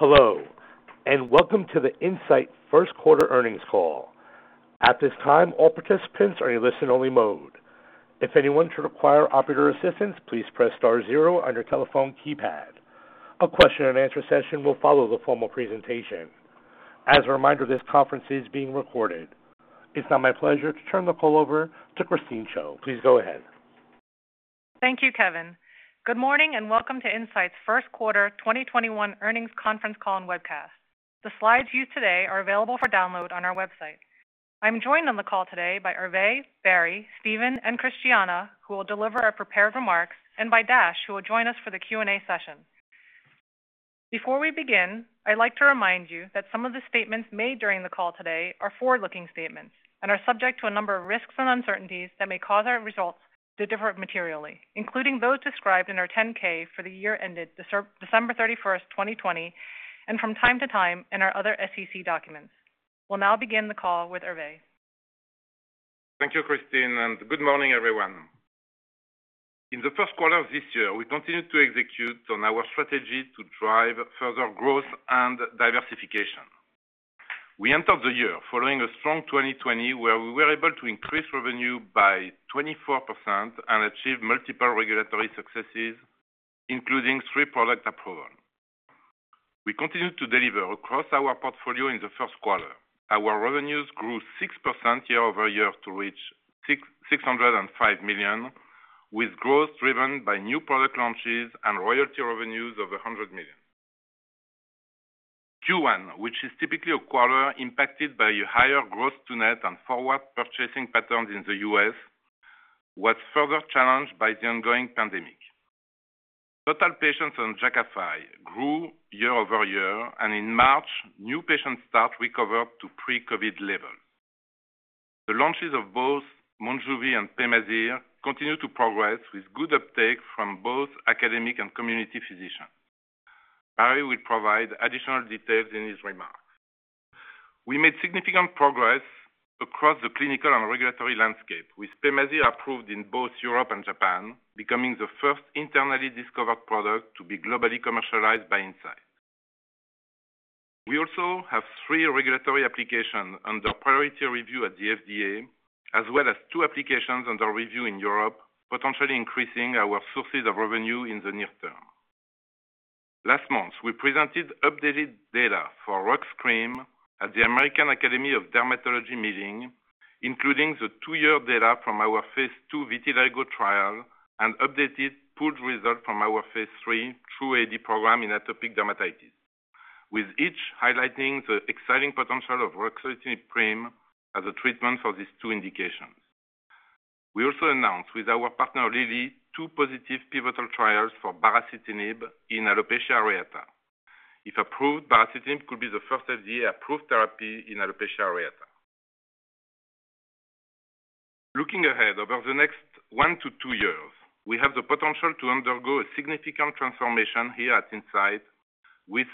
Hello, and welcome to the Incyte first-quarter earnings call. At this time, all participants are in listen-only mode. If anyone should require operator assistance, please press star zero on your telephone keypad. A question-and-answer session will follow the formal presentation. As a reminder, this conference is being recorded. It is now my pleasure to turn the call over to Christine Chiou. Please go ahead. Thank you, Kevin. Good morning and welcome to Incyte's first quarter 2021 earnings conference call and webcast. The slides used today are available for download on our website. I'm joined on the call today by Hervé, Barry, Steven, and Christiana, who will deliver our prepared remarks, and by Dash, who will join us for the Q&A session. Before we begin, I'd like to remind you that some of the statements made during the call today are forward-looking statements and are subject to a number of risks and uncertainties that may cause our results to differ materially, including those described in our 10-K for the year ended December 31st, 2020, and from time to time in our other SEC documents. We'll now begin the call with Hervé. Thank you, Christine, and good morning, everyone. In the first quarter of this year, we continued to execute on our strategy to drive further growth and diversification. We entered the year following a strong 2020, where we were able to increase revenue by 24% and achieve multiple regulatory successes, including three product approvals. We continued to deliver across our portfolio in the first quarter. Our revenues grew 6% year-over-year to reach $605 million, with growth driven by new product launches and royalty revenues of $100 million. Q1, which is typically a quarter impacted by a higher gross to net and forward purchasing patterns in the U.S., was further challenged by the ongoing pandemic. Total patients on Jakafi grew year-over-year, and in March, new patient starts recovered to pre-COVID levels. The launches of both MONJUVI and PEMAZYRE continue to progress with good uptake from both academic and community physicians. Barry will provide additional details in his remarks. We made significant progress across the clinical and regulatory landscape with PEMAZYRE approved in both Europe and Japan, becoming the first internally discovered product to be globally commercialized by Incyte. We also have three regulatory applications under priority review at the FDA, as well as two applications under review in Europe, potentially increasing our sources of revenue in the near term. Last month, we presented updated data for RUX cream at the American Academy of Dermatology meeting, including the two-year data from our phase II vitiligo trial and updated pooled results from our phase III TRuE-AD program in atopic dermatitis, with each highlighting the exciting potential of ruxolitinib cream as a treatment for these two indications. We also announced with our partner, Lilly, two positive pivotal trials for baricitinib in alopecia areata. If approved, baricitinib could be the first FDA-approved therapy in alopecia areata. Looking ahead over the next one to two years, we have the potential to undergo a significant transformation here at Incyte with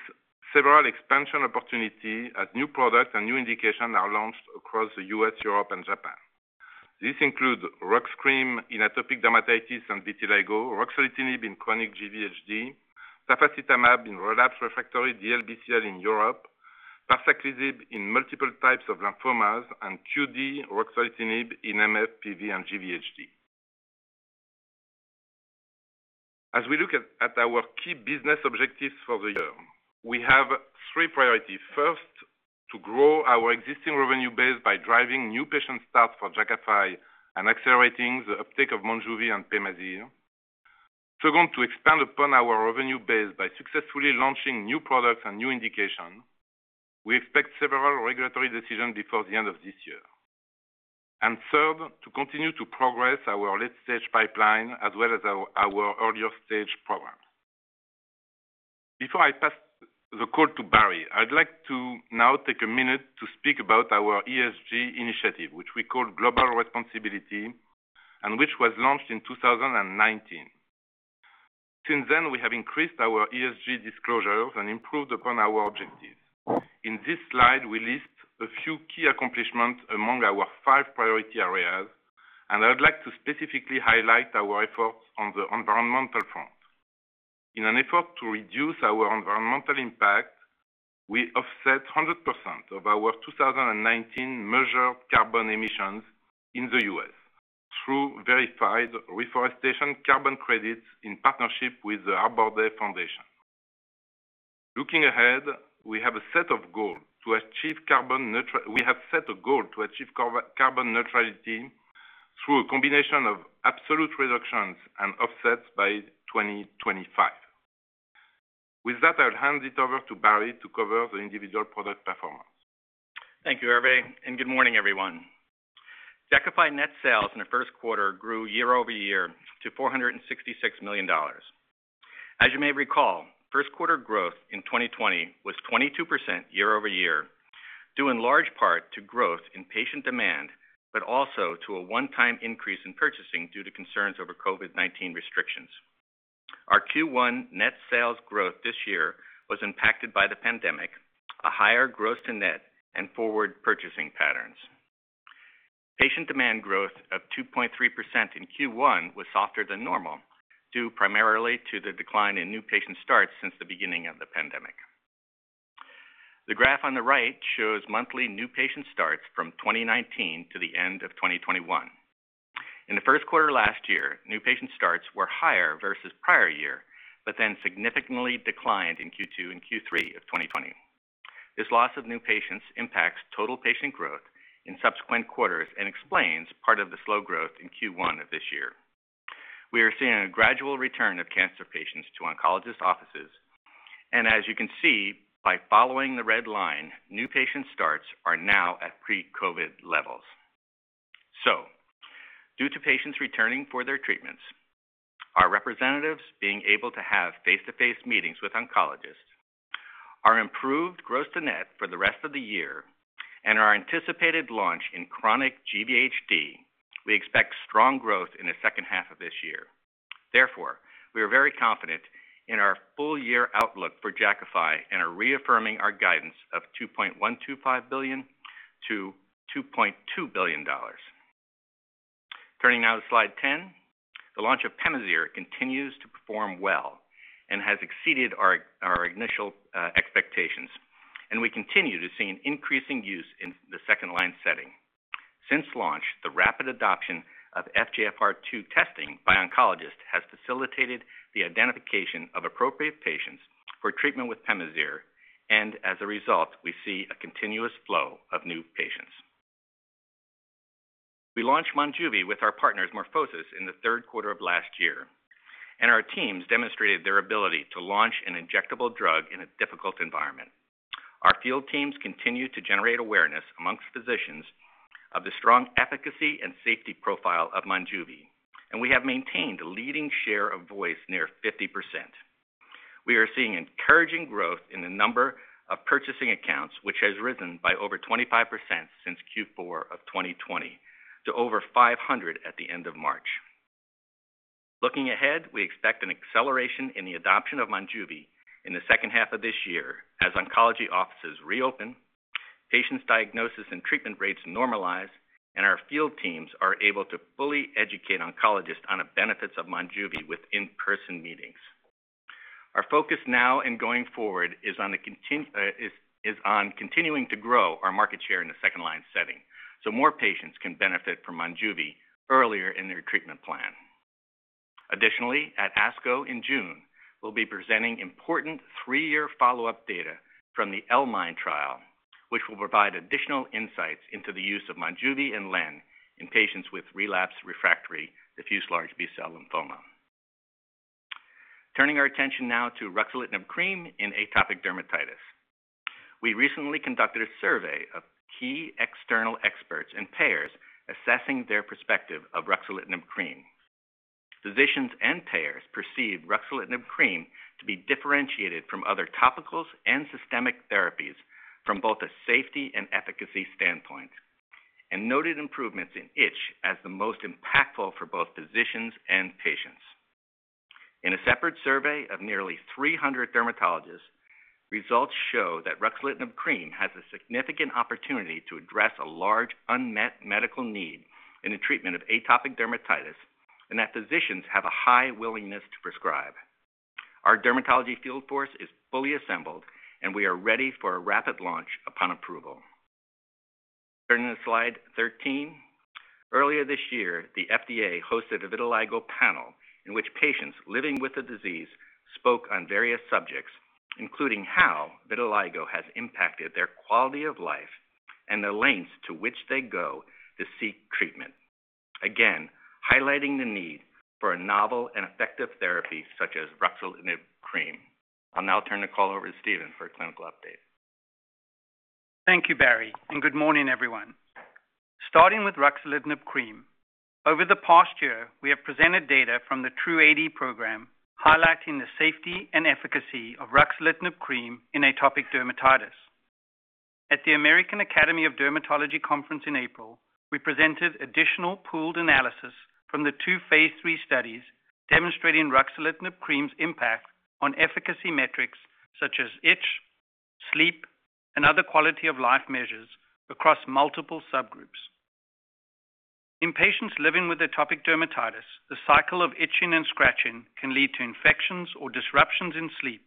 several expansion opportunities as new products and new indications are launched across the U.S., Europe, and Japan. This includes Opzelura in atopic dermatitis and vitiligo, ruxolitinib in chronic GVHD, tafasitamab in relapse-refractory DLBCL in Europe, parsaclisib in multiple types of lymphomas, and QD ruxolitinib in MF, PV, and GVHD. As we look at our key business objectives for the year, we have three priorities. First, to grow our existing revenue base by driving new patient starts for Jakafi and accelerating the uptake of MONJUVI and PEMAZYRE. Second, to expand upon our revenue base by successfully launching new products and new indications. We expect several regulatory decisions before the end of this year. Third, to continue to progress our late-stage pipeline as well as our earlier-stage programs. Before I pass the call to Barry, I'd like to now take a minute to speak about our ESG initiative, which we call Global Responsibility, and which was launched in 2019. Since then, we have increased our ESG disclosures and improved upon our objectives. In this slide, we list a few key accomplishments among our five priority areas, and I would like to specifically highlight our efforts on the environmental front. In an effort to reduce our environmental impact, we offset 100% of our 2019 measured carbon emissions in the U.S. through verified reforestation carbon credits in partnership with the Arbor Day Foundation. Looking ahead, we have set a goal to achieve carbon neutrality through a combination of absolute reductions and offsets by 2025. With that, I'll hand it over to Barry to cover the individual product performance. Thank you, Hervé, and good morning, everyone. Jakafi net sales in the first quarter grew year-over-year to $466 million. As you may recall, first-quarter growth in 2020 was 22% year-over-year, due in large part to growth in patient demand, but also to a one-time increase in purchasing due to concerns over COVID-19 restrictions. Our Q1 net sales growth this year was impacted by the pandemic, a higher gross to net, and forward purchasing patterns. Patient demand growth of 2.3% in Q1 was softer than normal, due primarily to the decline in new patient starts since the beginning of the pandemic. The graph on the right shows the monthly new patient starts from 2019 to the end of 2021. In the first quarter last year, new patient starts were higher versus the prior year, but then significantly declined in Q2 and Q3 of 2020. This loss of new patients impacts total patient growth in subsequent quarters and explains part of the slow growth in Q1 of this year. We are seeing a gradual return of cancer patients to oncologist offices, and as you can see by following the red line, new patient starts are now at pre-COVID levels. Due to patients returning for their treatments, our representatives being able to have face-to-face meetings with oncologists, our improved gross to net for the rest of the year, and our anticipated launch in chronic GVHD, we expect strong growth in the second half of this year. We are very confident in our full-year outlook for Jakafi and are reaffirming our guidance of $2.125 billion-$2.2 billion. Turning now to slide 10. The launch of PEMAZYRE continues to perform well and has exceeded our initial expectations. We continue to see an increasing use in the second-line setting. Since launch, the rapid adoption of FGFR2 testing by oncologists has facilitated the identification of appropriate patients for treatment with PEMAZYRE. As a result, we see a continuous flow of new patients. We launched MONJUVI with our partners MorphoSys in the third quarter of last year. Our teams demonstrated their ability to launch an injectable drug in a difficult environment. Our field teams continue to generate awareness amongst physicians of the strong efficacy and safety profile of MONJUVI. We have maintained a leading share of voice near 50%. We are seeing encouraging growth in the number of purchasing accounts, which has risen by over 25% since Q4 of 2020 to over 500 at the end of March. Looking ahead, we expect an acceleration in the adoption of MONJUVI in the second half of this year as oncology offices reopen, patients' diagnosis and treatment rates normalize, and our field teams are able to fully educate oncologists on the benefits of MONJUVI with in-person meetings. Our focus now and going forward is on continuing to grow our market share in the second-line setting so more patients can benefit from MONJUVI earlier in their treatment plan. At ASCO in June, we'll be presenting important three-year follow-up data from the L-MIND trial, which will provide additional insights into the use of MONJUVI and len in patients with relapsed refractory diffuse large B-cell lymphoma. Turning our attention now to ruxolitinib cream in atopic dermatitis. We recently conducted a survey of key external experts and payers assessing their perspective of ruxolitinib cream. Physicians and payers perceive ruxolitinib cream to be differentiated from other topicals and systemic therapies from both a safety and efficacy standpoint, and noted improvements in itch as the most impactful for both physicians and patients. In a separate survey of nearly 300 dermatologists, results show that ruxolitinib cream has a significant opportunity to address a large unmet medical need in the treatment of atopic dermatitis and that physicians have a high willingness to prescribe. Our dermatology field force is fully assembled, and we are ready for a rapid launch upon approval. Turning to slide 13. Earlier this year, the FDA hosted a vitiligo panel in which patients living with the disease spoke on various subjects, including how vitiligo has impacted their quality of life and the lengths to which they go to seek treatment, again, highlighting the need for a novel and effective therapy such as ruxolitinib cream. I'll now turn the call over to Steven for a clinical update. Thank you, Barry. Good morning, everyone. Starting with ruxolitinib cream. Over the past year, we have presented data from the TRuE-AD program highlighting the safety and efficacy of ruxolitinib cream in atopic dermatitis. At the American Academy of Dermatology conference in April, we presented additional pooled analysis from the two phase III studies demonstrating ruxolitinib cream's impact on efficacy metrics such as itch, sleep, and other quality-of-life measures across multiple subgroups. In patients living with atopic dermatitis, the cycle of itching and scratching can lead to infections or disruptions in sleep.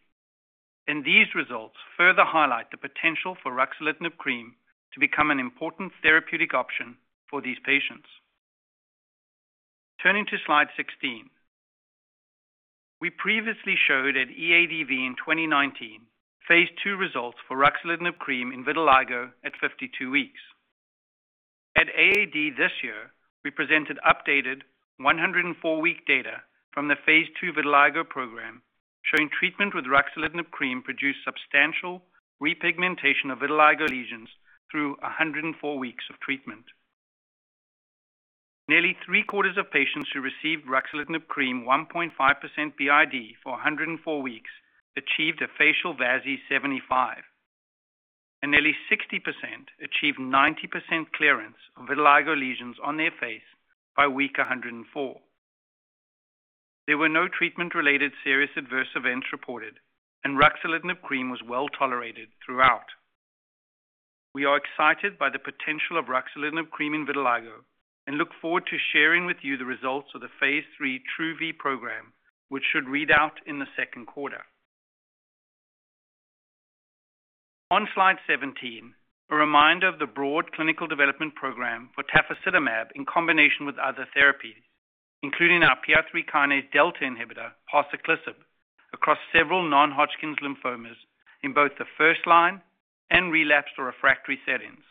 These results further highlight the potential for ruxolitinib cream to become an important therapeutic option for these patients. Turning to slide 16. We previously showed at EADV in 2019 phase II results for ruxolitinib cream in vitiligo at 52-weeks. At AAD this year, we presented updated 104-week data from the phase II vitiligo program, showing treatment with ruxolitinib cream produced substantial repigmentation of vitiligo lesions through 104 weeks of treatment. Nearly three-quarters of patients who received ruxolitinib cream 1.5% BID for 104 weeks achieved a facial VASI75, and nearly 60% achieved 90% clearance of vitiligo lesions on their face by week 104. There were no treatment-related serious adverse events reported, and ruxolitinib cream was well-tolerated throughout. We are excited by the potential of ruxolitinib cream in vitiligo and look forward to sharing with you the results of the phase III TRuE-V program, which should read out in the second quarter. On slide 17, a reminder of the broad clinical development program for tafasitamab in combination with other therapies, including our PI3K delta inhibitor, parsaclisib, across several non-Hodgkin lymphomas in both the first-line and relapsed or refractory settings.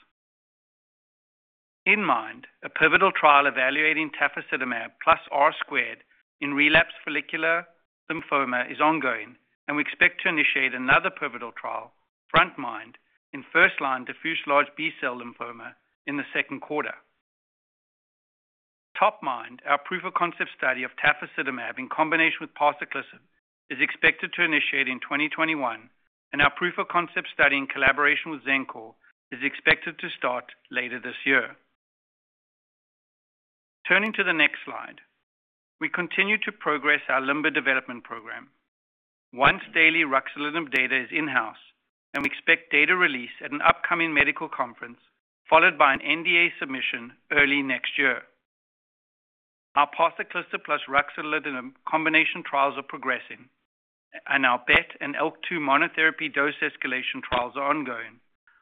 InMIND, a pivotal trial evaluating tafasitamab plus R-squared in relapsed follicular lymphoma, is ongoing, and we expect to initiate another pivotal trial, frontMIND, in first-line diffuse large B-cell lymphoma in the second quarter. topMIND, our proof-of-concept study of tafasitamab in combination with parsaclisib, is expected to initiate in 2021, and our proof-of-concept study in collaboration with Xencor is expected to start later this year. Turning to the next slide, we continue to progress our LIMBER development program. Once-daily ruxolitinib data is in-house, and we expect data release at an upcoming medical conference, followed by an NDA submission early next year. Our parsaclisib plus ruxolitinib combination trials are progressing, and our BET and ALK2 monotherapy dose escalation trials are ongoing,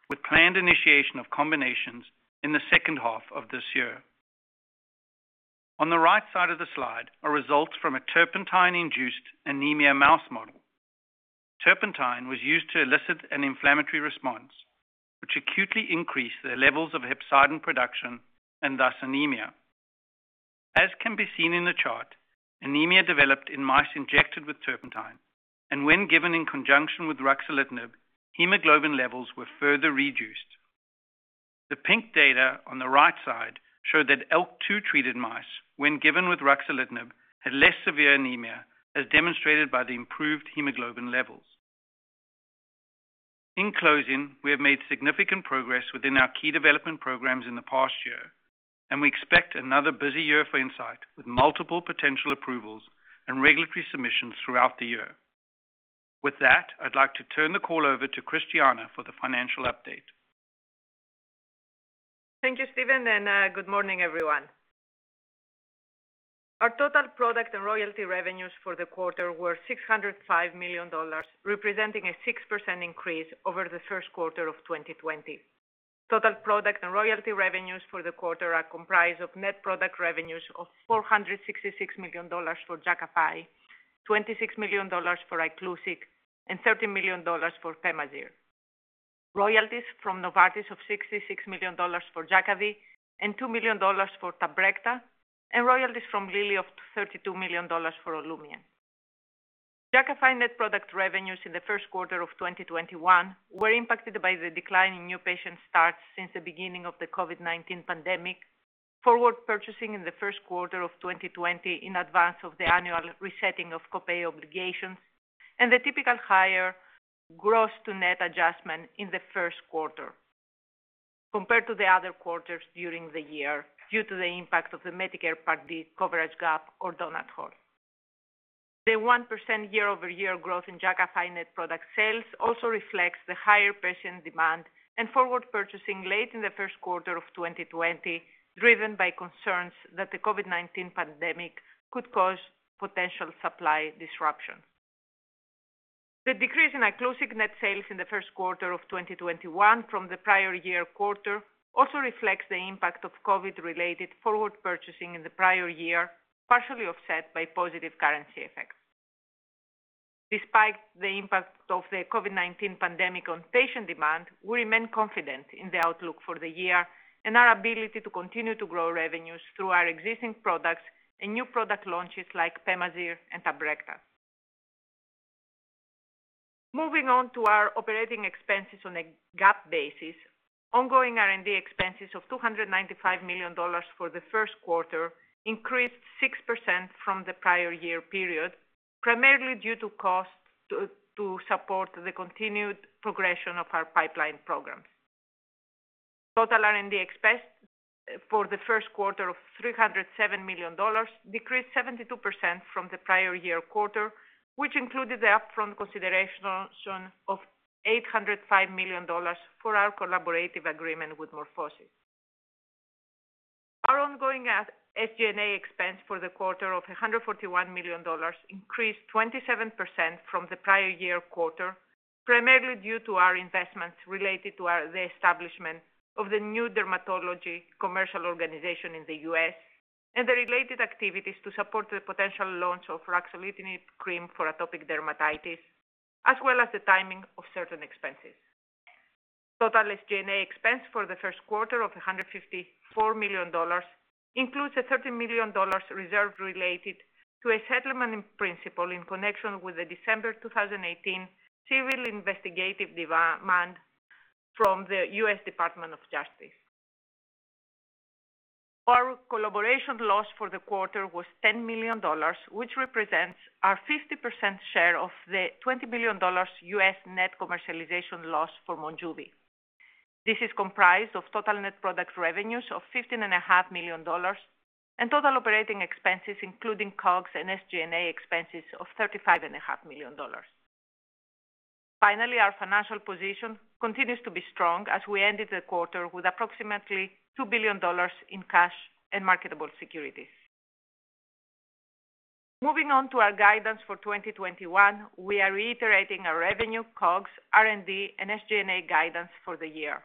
with planned initiation of combinations in the second half of this year. On the right side of the slide are results from a turpentine-induced anemia mouse model. Turpentine was used to elicit an inflammatory response, which acutely increased the levels of hepcidin production and thus anemia. As can be seen in the chart, anemia developed in mice injected with turpentine, and when given in conjunction with ruxolitinib, hemoglobin levels were further reduced. The pink data on the right side show that ALK2-treated mice, when given with ruxolitinib, had less severe anemia, as demonstrated by the improved hemoglobin levels. In closing, we have made significant progress within our key development programs in the past year, and we expect another busy year for Incyte, with multiple potential approvals and regulatory submissions throughout the year. With that, I'd like to turn the call over to Christiana for the financial update. Thank you, Steven, and good morning, everyone. Our total product and royalty revenues for the quarter were $605 million, representing a 6% increase over the first quarter of 2020. Total product and royalty revenues for the quarter are comprised of net product revenues of $466 million for Jakafi, $26 million for Iclusig, and $30 million for PEMAZYRE. Royalties from Novartis of $66 million for Jakafi and $2 million for Tabrecta, and royalties from Lilly of $32 million for OLUMIANT. Jakafi net product revenues in the first quarter of 2021 were impacted by the decline in new patient starts since the beginning of the COVID-19 pandemic, forward purchasing in the first quarter of 2020 in advance of the annual resetting of copay obligations, and the typical higher gross to net adjustment in the first quarter compared to the other quarters during the year, due to the impact of the Medicare Part D coverage gap or donut hole. The 1% year-over-year growth in Jakafi net product sales also reflects the higher patient demand and forward purchasing late in the first quarter of 2020, driven by concerns that the COVID-19 pandemic could cause potential supply disruptions. The decrease in Iclusig net sales in the first quarter of 2021 from the prior year quarter also reflects the impact of COVID-related forward purchasing in the prior year, partially offset by positive currency effects. Despite the impact of the COVID-19 pandemic on patient demand, we remain confident in the outlook for the year and our ability to continue to grow revenues through our existing products and new product launches like PEMAZYRE and Tabrecta. Moving on to our operating expenses on a GAAP basis, ongoing R&D expenses of $295 million for the first quarter increased 6% from the prior-year period, primarily due to costs to support the continued progression of our pipeline programs. Total R&D expense for the first quarter of $307 million decreased 72% from the prior year quarter, which included the upfront consideration of $805 million for our collaborative agreement with MorphoSys. Our ongoing SG&A expense for the quarter of $141 million increased 27% from the prior year quarter, primarily due to our investments related to the establishment of the new dermatology commercial organization in the U.S. and the related activities to support the potential launch of ruxolitinib cream for atopic dermatitis, as well as the timing of certain expenses. Total SG&A expense for the first quarter of $154 million includes a $30 million reserve related to a settlement in principle in connection with the December 2018 civil investigative demand from the U.S. Department of Justice. Our collaboration loss for the quarter was $10 million, which represents our 50% share of the $20 billion U.S. net commercialization loss for MONJUVI. This is comprised of total net product revenues of $15.5 million and total operating expenses, including COGS and SG&A expenses of $35.5 million. Finally, our financial position continues to be strong as we ended the quarter with approximately $2 billion in cash and marketable securities. Moving on to our guidance for 2021, we are reiterating our revenue, COGS, R&D, and SG&A guidance for the year.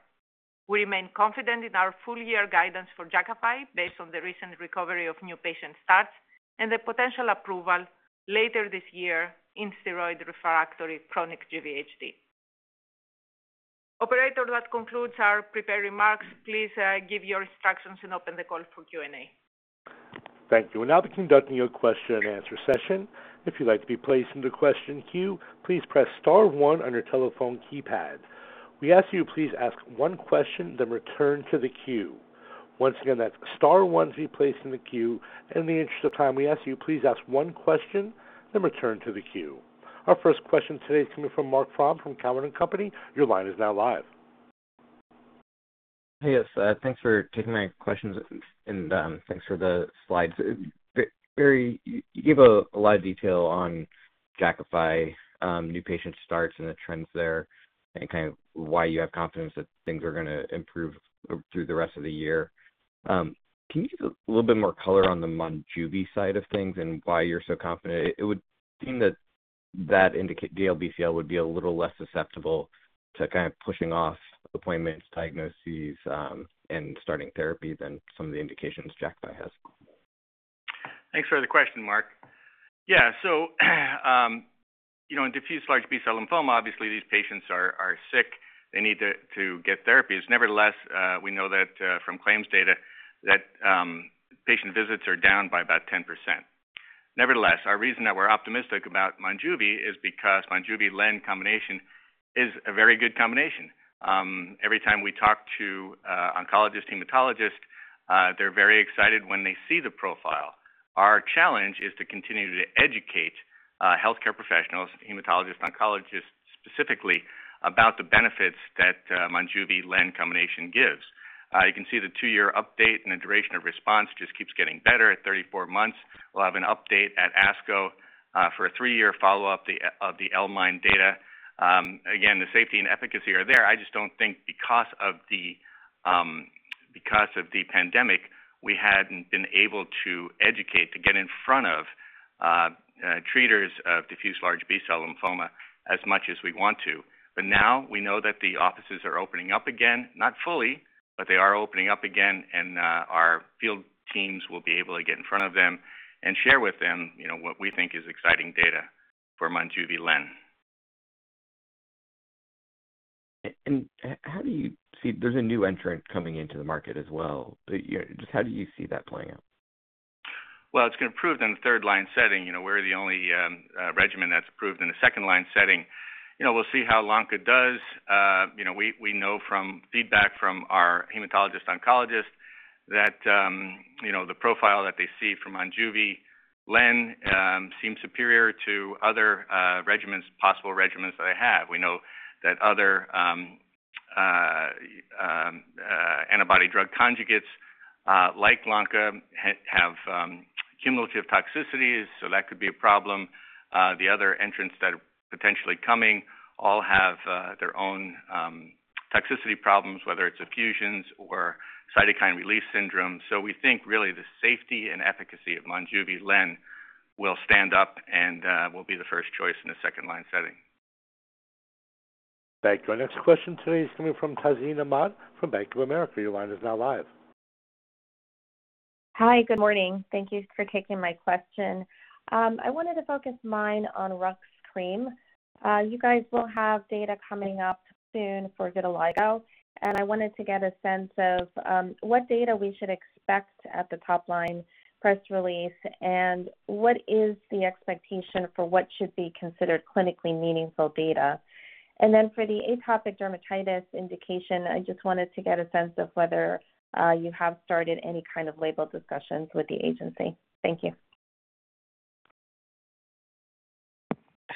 We remain confident in our full-year guidance for Jakafi based on the recent recovery of new patient starts and the potential approval later this year in steroid-refractory chronic GVHD. Operator, that concludes our prepared remarks. Please give your instructions and open the call for Q&A. Thank you. We'll now be conducting your question-and-answer session. If you'd like to be placed into the question queue, please press star one on your telephone keypad. We ask you to please ask one question, then return to the queue. Once again, that's star one to be placed in the queue. In the interest of time, we ask you to please ask one question, then return to the queue. Our first question today is coming from Marc Frahm from Cowen and Company. Your line is now live. Hey. Yes, thanks for taking my questions, and thanks for the slides. You gave a lot of detail on Jakafi new patient starts and the trends there, and kind of why you have confidence that things are going to improve through the rest of the year. Can you give a little bit more color on the MONJUVI side of things and why you're so confident? It would seem that that indication DLBCL would be a little less susceptible to kind of pushing off appointments, diagnoses, and starting therapy than some of the indications Jakafi has. Thanks for the question, Marc. Yeah, in diffuse large B-cell lymphoma, obviously, these patients are sick. They need to get therapies. Nevertheless, we know that from claims data that patient visits are down by about 10%. Nevertheless, our reason that we're optimistic about MONJUVI is because MONJUVI len combination is a very good combination. Every time we talk to oncologists, hematologists, they're very excited when they see the profile. Our challenge is to continue to educate healthcare professionals, hematologists, oncologists specifically, about the benefits that MONJUVI len combination gives. You can see the two-year update, and the duration of response just keeps getting better at 34 months. We'll have an update at ASCO for a three-year follow-up of the L-MIND data. Again, the safety and efficacy are there. I just don't think because of the pandemic, we hadn't been able to educate to get in front of treaters of diffuse large B-cell lymphoma as much as we want to. Now we know that the offices are opening up again, not fully, but they are opening up again, and our field teams will be able to get in front of them and share with them what we think is exciting data for MONJUVI len. How do you see? There's a new entrant coming into the market as well. Just how do you see that playing out? Well, it's going to prove in the third-line setting. We're the only regimen that's approved in a second-line setting. We'll see how ZYNLONTA does. We know from feedback from our hematologist-oncologists that the profile that they see from MONJUVI len seems superior to other possible regimens that they have. We know that other antibody drug conjugates, like ZYNLONTA, have cumulative toxicities, so that could be a problem. The other entrants that are potentially coming all have their own toxicity problems, whether it's effusions or cytokine release syndrome. We think really the safety and efficacy of MONJUVI len will stand up and will be the first choice in a second-line setting. Thank you. Our next question today is coming from Tazeen Ahmad from Bank of America. Your line is now live. Hi. Good morning. Thank you for taking my question. I wanted to focus mine on RUX cream. You guys will have data coming up soon for vitiligo, and I wanted to get a sense of what data we should expect at the top-line press release, and what is the expectation for what should be considered clinically meaningful data. For the atopic dermatitis indication, I just wanted to get a sense of whether you have started any kind of label discussions with the agency. Thank you.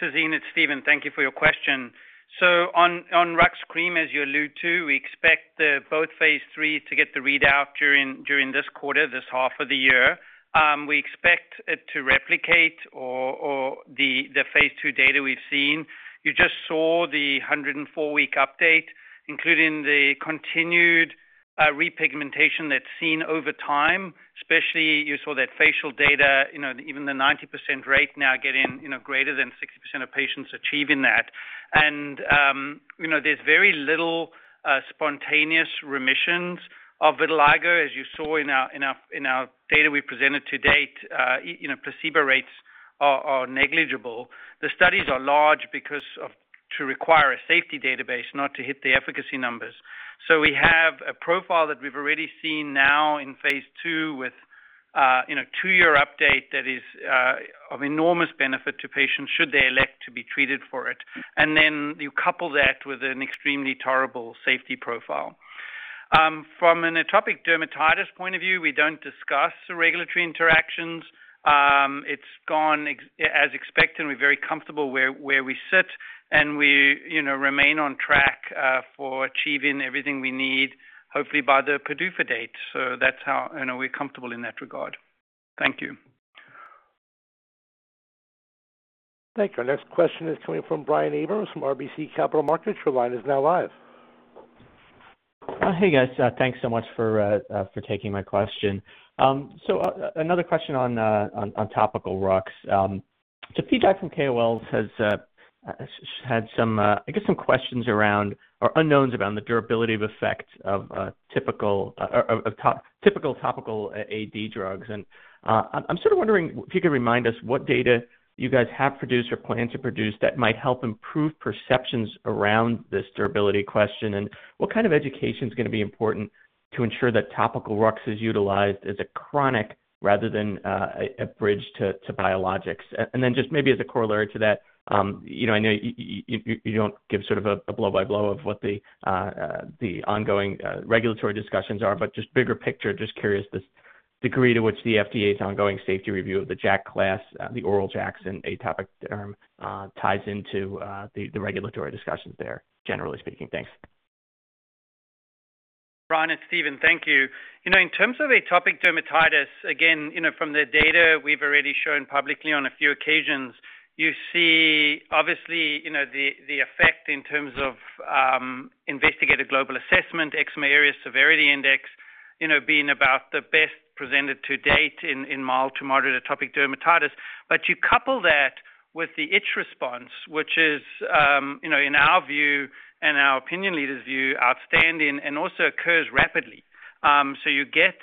Tazeen, it's Steven. Thank you for your question. On RUX cream, as you allude to, we expect both phase III to get the readout during this quarter, this half of the year. We expect it to replicate our phase II data we've seen. You just saw the 104-week update, including the continued repigmentation that's seen over time. Especially, you saw that facial data, even the 90% rate is now getting greater than 60% of patients achieving that. There's very little spontaneous remissions of vitiligo. As you saw in our data we presented to date, placebo rates are negligible. The studies are large because to require a safety database, not to hit the efficacy numbers. We have a profile that we've already seen now in phase II, with a two-year update that is of enormous benefit to patients should they elect to be treated for it. You couple that with an extremely tolerable safety profile. From an atopic dermatitis point of view, we don't discuss regulatory interactions. It's gone as expected, and we're very comfortable where we sit, and we remain on track for achieving everything we need, hopefully by the PDUFA date. That's how we're comfortable in that regard. Thank you. Thank you. Our next question is coming from Brian Abrahams from RBC Capital Markets. Your line is now live. Hey, guys. Thanks so much for taking my question. Another question on topical RUX. The feedback from KOL had some, I guess, some questions around or unknowns around the durability of the effect of typical topical AD drugs. I'm sort of wondering if you could remind us what data you guys have produced or plan to produce that might help improve perceptions around this durability question, and what kind of education is going to be important to ensure that topical RUX is utilized as a chronic rather than a bridge to biologics. Just maybe as a corollary to that, I know you don't give sort of a blow-by-blow of what the ongoing regulatory discussions are, but just bigger picture, just curious the degree to which the FDA's ongoing safety review of the JAK class, the oral JAKs in atopic derm, ties into the regulatory discussions there, generally speaking. Thanks. Brian, it's Steven. Thank you. In terms of atopic dermatitis, again, from the data we've already shown publicly on a few occasions, you see, obviously, the effect in terms of Investigator's Global Assessment, Eczema Area Severity Index, being about the best presented to date in mild to moderate atopic dermatitis. You couple that with the itch response, which is, in our view and our opinion leader's view, outstanding and also occurs rapidly. You get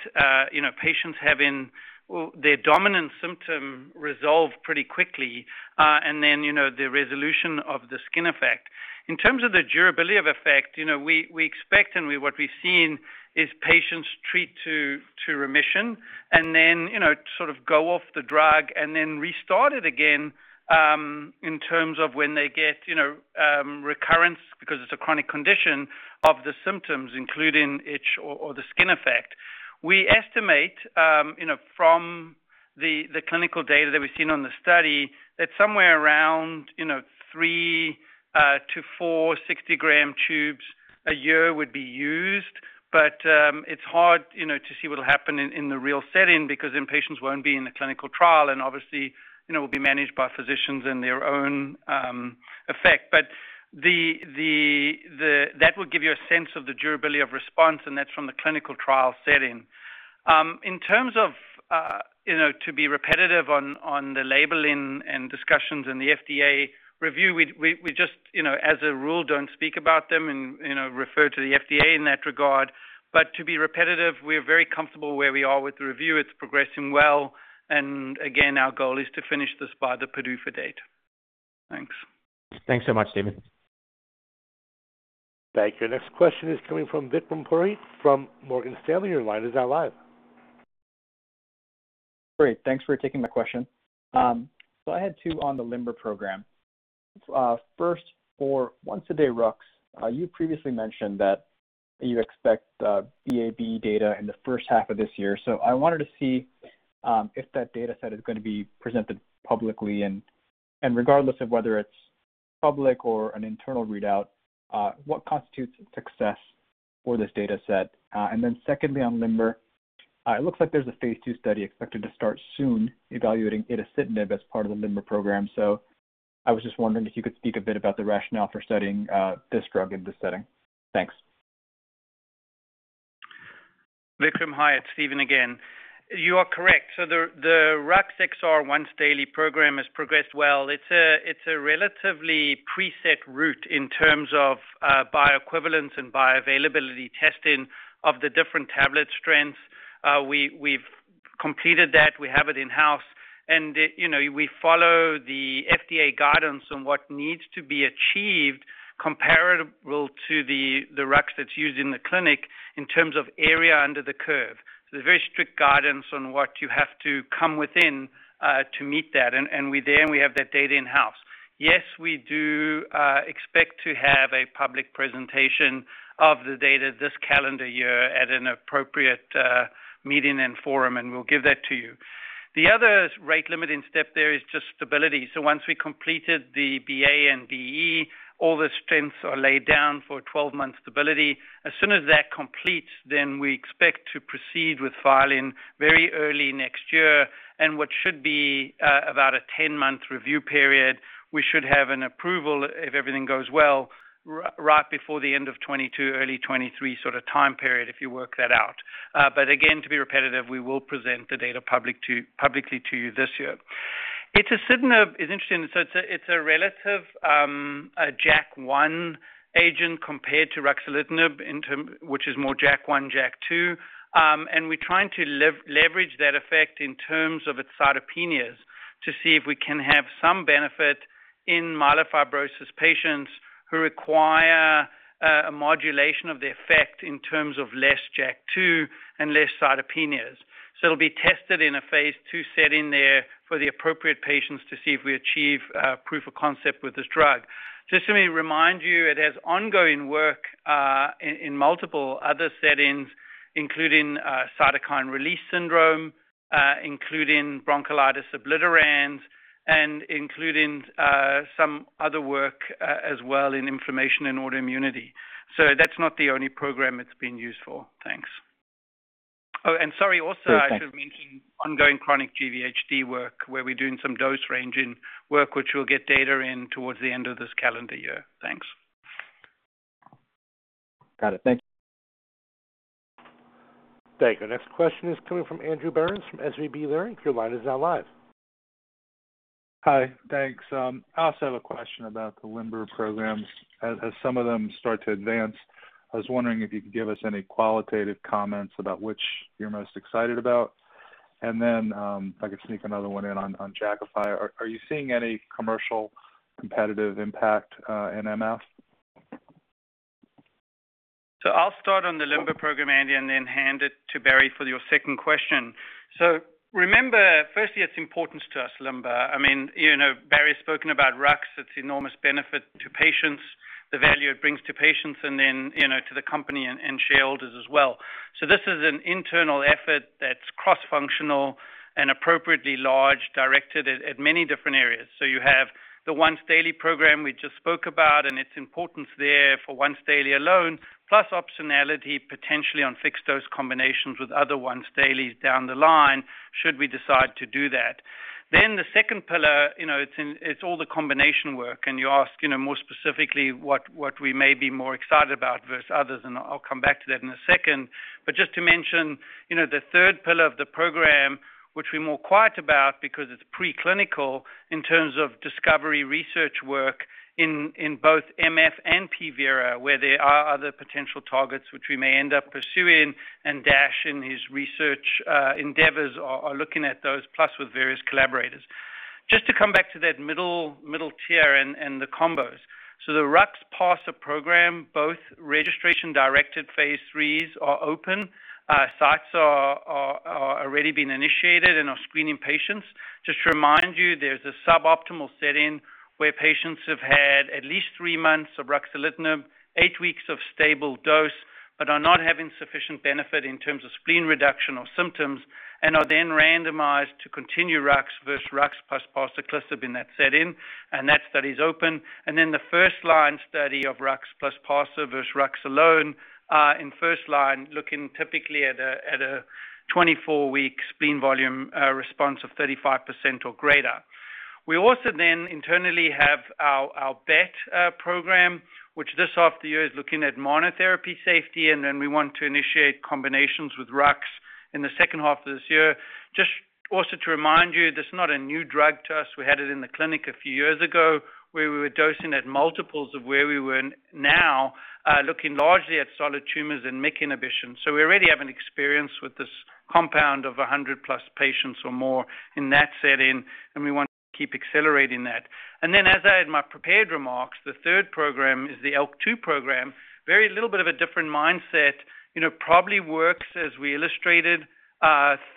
patients having their dominant symptom resolved pretty quickly, and then the resolution of the skin effect. In terms of the durability of effect, we expect and what we've seen is patients treated to remission and then sort of go off the drug and then restart it again in terms of when they get recurrence, because it's a chronic condition of the symptoms, including itch or the skin effect. We estimate, from the clinical data that we've seen on the study, that somewhere around three to four 60 g tubes a year would be used. It's hard to see what'll happen in the real setting because then patients won't be in a clinical trial and obviously will be managed by physicians in their own effect. That will give you a sense of the durability of response, and that's from the clinical trial setting. In terms of to be repetitive on the labeling and discussions in the FDA review, we just, as a rule, don't speak about them and refer to the FDA in that regard. To be repetitive, we're very comfortable where we are with the review. It's progressing well. Again, our goal is to finish this by the PDUFA date. Thanks. Thanks so much, Steven. Thank you. Next question is coming from Vikram Purohit from Morgan Stanley. Your line is now live. Great. Thanks for taking my question. I had two on the LIMBER program. First, for once a day, RUX, you previously mentioned that you expect BA/BE data in the first half of this year. I wanted to see if that data set is going to be presented publicly and, regardless of whether it's public or an internal readout, what constitutes success for this data set? Secondly, on LIMBER, it looks like there's a phase II study expected to start soon evaluating itacitinib as part of the LIMBER program. I was just wondering if you could speak a bit about the rationale for studying this drug in this setting. Thanks. Vikram, hi. It's Steven again. You are correct. The Jakafi XR once-daily program has progressed well. It's a relatively prescribed route in terms of bioequivalence and bioavailability testing of the different tablet strengths. We've completed that. We have it in-house, and we follow the FDA guidance on what needs to be achieved, comparable to the RUX that's used in the clinic in terms of area under the curve. There's very strict guidance on what you have to come within to meet that. We then have that data in-house. Yes, we do expect to have a public presentation of the data this calendar year at an appropriate meeting and forum, and we'll give that to you. The other rate-limiting step there is just stability. Once we have completed the BA and BE, all the strengths are laid down for a 12-month stability. As soon as that completes, then we expect to proceed with filing very early next year. What should be about a 10-month review period, we should have an approval if everything goes well, right before the end of 2022, early 2023 sort of time period, if you work that out. Again, to be repetitive, we will present the data publicly to you this year. Itacitinib is interesting. it's a relative JAK1 agent compared to ruxolitinib, which is more JAK1, JAK2. We're trying to leverage that effect in terms of its cytopenias to see if we can have some benefit in myelofibrosis patients who require a modulation of the effect in terms of less JAK2 and less cytopenias. It'll be tested in a phase II setting there for the appropriate patients to see if we achieve proof of concept with this drug. Just to remind you, it has ongoing work in multiple other settings, including cytokine release syndrome, including bronchiolitis obliterans, and including some other work as well in inflammation and autoimmunity. That's not the only program it's been used for. Thanks. Oh, sorry, also I should have mentioned ongoing chronic GVHD work where we're doing some dose-ranging work, which we'll get data in towards the end of this calendar year. Thanks. Got it. Thank you. Thank you. Next question is coming from Andrew Berens from SVB Leerink. Your line is now live. Hi. Thanks. I also have a question about the LIMBER programs. As some of them start to advance, I was wondering if you could give us any qualitative comments about which you're most excited about, and then if I could sneak another one in on Jakafi. Are you seeing any commercial competitive impact in MF? I'll start on the LIMBER program, Andy, and then hand it to Barry for your second question. Remember, firstly, its importance to us, LIMBER. Barry's spoken about RUX, its enormous benefit to patients, the value it brings to patients, and then to the company and shareholders as well. This is an internal effort that's cross-functional and appropriately large, directed at many different areas. You have the once-daily program we just spoke about and its importance there for once daily alone, plus optionality potentially on fixed dose combinations with other once-dailies down the line, should we decide to do that. The second pillar it's all the combination work. You ask, more specifically, what we may be more excited about versus others, and I'll come back to that in a second. Just to mention, the third pillar of the program, which we're more quiet about because it's preclinical in terms of discovery research work in both MF and P vera, where there are other potential targets which we may end up pursuing, and Dash in his research endeavors are looking at those, plus with various collaborators. Just to come back to that middle tier and the combos. The RUX parsa program, both registration-directed phase IIIs, are open. Sites are already been initiated and are screening patients. Just to remind you, there's a suboptimal setting where patients have had at least three months of ruxolitinib, eight weeks of stable dose, but are not having sufficient benefit in terms of spleen reduction or symptoms, and are then randomized to continue RUX versus RUX plus parsaclisib in that setting. That study is open. The first-line study of RUX plus parsa versus RUX alone are in first line, looking typically at a 24-week spleen volume response of 35% or greater. We also then internally have our BET program, which this half of the year is looking at monotherapy safety, and then we want to initiate combinations with RUX in the second half of this year. Just also to remind you, this is not a new drug to us. We had it in the clinic a few years ago, where we were dosing at multiples of where we were now, looking largely at solid tumors and MEK inhibition. We already have an experience with this compound of 100+ patients or more in that setting, and we want to keep accelerating that, as I had in my prepared remarks, the third program is the ALK2 program. Very little bit of a different mindset. Probably works as we illustrated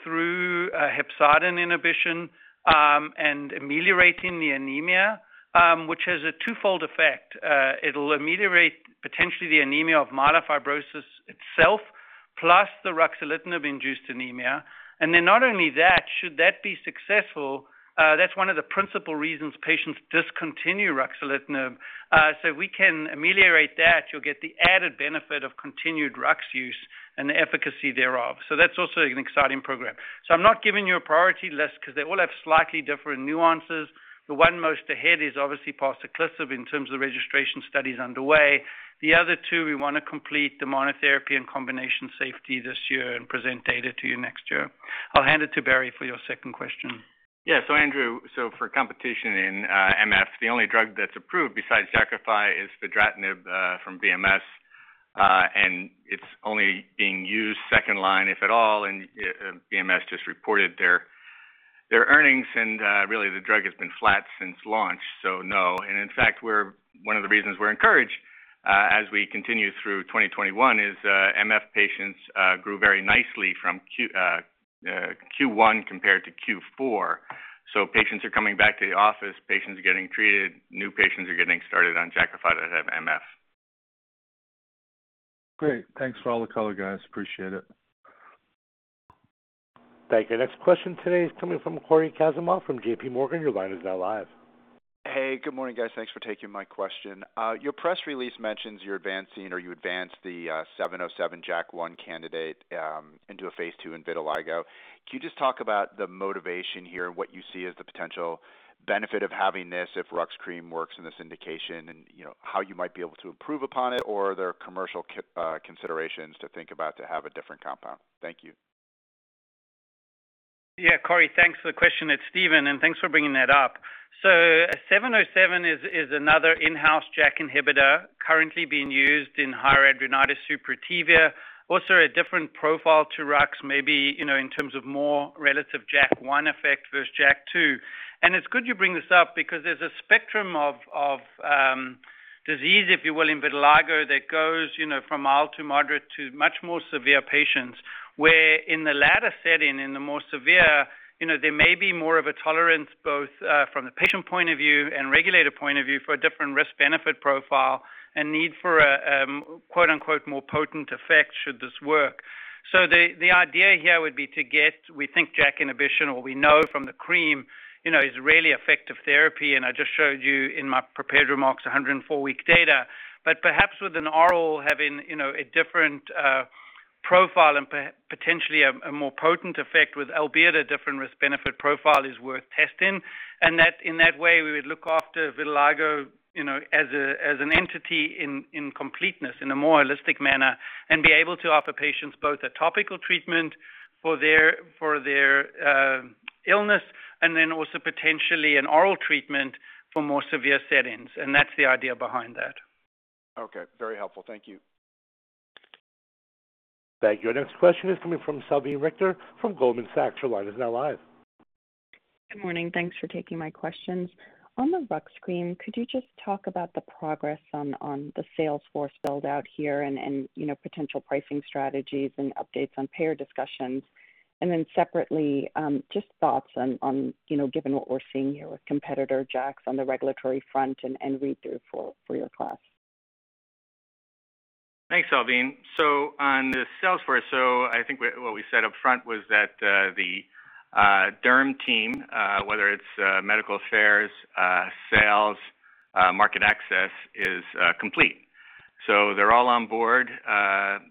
through hepcidin inhibition and ameliorating the anemia, which has a twofold effect. It'll ameliorate potentially the anemia of myelofibrosis itself, plus the ruxolitinib-induced anemia. Not only that, should that be successful, that's one of the principal reasons patients discontinue ruxolitinib. We can ameliorate that. You'll get the added benefit of continued RUX use and the efficacy thereof. That's also an exciting program. I'm not giving you a priority list because they all have slightly different nuances. The one most ahead is obviously parsaclisib in terms of the registration studies underway. The other two, we want to complete the monotherapy and combination safety this year and present data to you next year. I'll hand it to Barry for your second question. Yeah. Andrew, so for competition in MF, the only drug that's approved besides Jakafi is fedratinib from BMS, and it's only being used second line, if at all. BMS just reported their earnings, and really, the drug has been flat since launch. No, and in fact, one of the reasons we're encouraged as we continue through 2021 is that MF patients grew very nicely from Q1 compared to Q4. Patients are coming back to the office, patients are getting treated, new patients are getting started on Jakafi that have MF. Great. Thanks for all the color, guys. Appreciate it. Thank you. Next question today is coming from Cory Kasimov from JPMorgan. Your line is now live. Hey, good morning, guys. Thanks for taking my question. Your press release mentions you're advancing or you advanced the povorcitinib JAK1 candidate into a phase II in vitiligo. Can you just talk about the motivation here and what you see as the potential benefit of having this if RUX cream works in this indication, and how you might be able to improve upon it? Or are there commercial considerations to think about to have a different compound? Thank you. Cory Kasimov, thanks for the question. It's Steven, and thanks for bringing that up. Povorcitinib is another in-house JAK inhibitor currently being used in higher hidradenitis suppurativa. Also, a different profile to RUX, maybe in terms of a more relative JAK1 effect versus JAK2. It's good you bring this up because there's a spectrum of disease, if you will, in vitiligo that goes from mild to moderate to much more severe patients. Where in the latter setting, in the more severe, there may be more of a tolerance, both from the patient's point of view and regulator's point of view, for a different risk-benefit profile and need for a quote-unquote, more potent effect should this work. The idea here would be to get, we think, JAK inhibition, or we know from the cream is really effective therapy, and I just showed you in my prepared remarks 104-week data. Perhaps with an oral having a different profile and potentially a more potent effect with albeit a different risk-benefit profile, is worth testing. In that way, we would look after vitiligo as an entity in completeness, in a more holistic manner, and be able to offer patients both a topical treatment for their illness and then also potentially an oral treatment for more severe settings. That's the idea behind that. Okay. Very helpful. Thank you. Thank you. Our next question is coming from Salveen Richter from Goldman Sachs. Your line is now live. Good morning. Thanks for taking my questions. On the RUX screen, could you just talk about the progress on the sales force build-out here, and potential pricing strategies, and updates on payer discussions? separately, just thoughts on given what we're seeing here with competitor JAKs on the regulatory front, and read through for your class. Thanks, Salveen. On the sales force, so I think what we said up front was that the derm team, whether it's medical affairs, sales, market access, is complete. They're all on board.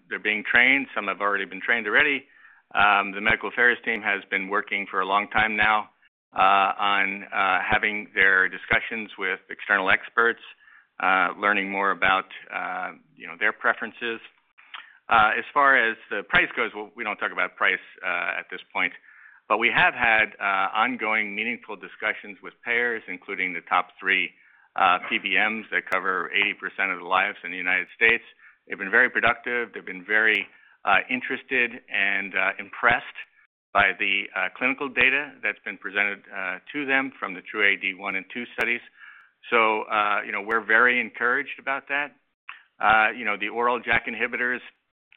They're being trained. Some have already been trained already. The medical affairs team has been working for a long time now on having their discussions with external experts, learning more about their preferences. As far as the price goes, well, we don't talk about price at this point. We have had ongoing, meaningful discussions with payers, including the top three PBMs that cover 80% of the lives in the U.S. They've been very productive. They've been very interested and impressed by the clinical data that's been presented to them from the TRuE-AD one and two studies. We're very encouraged about that. The oral JAK inhibitors,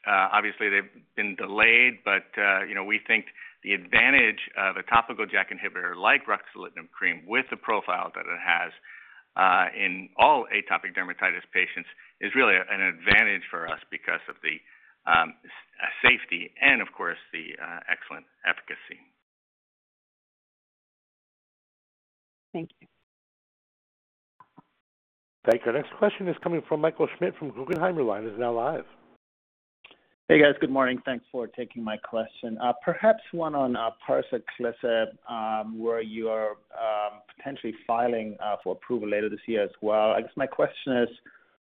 obviously, they've been delayed, but we think the advantage of a topical JAK inhibitor like ruxolitinib cream, with the profile that it has in all atopic dermatitis patients, is really an advantage for us because of the safety and, of course, the excellent efficacy. Thank you. Thank you. Our next question is coming from Michael Schmidt from Guggenheim. Your line is now live. Hey, guys. Good morning. Thanks for taking my question. Perhaps one on parsaclisib, where you are potentially filing for approval later this year as well. I guess my question is,